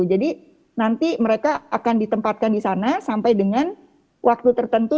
jadi nanti mereka akan ditempatkan di sana sampai dengan waktu tertentu